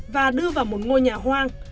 và đưa vào một ngôi nhà hoang